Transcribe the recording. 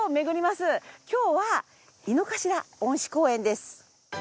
今日は井の頭恩賜公園です。